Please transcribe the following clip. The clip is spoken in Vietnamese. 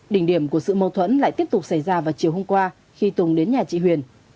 đỉnh điểm của sự mâu thuẫn lại tiếp tục xảy ra vào chiều hôm qua khi tùng đến nhà chị huyền